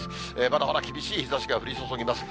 まだまだ厳しい日ざしが降り注ぎます。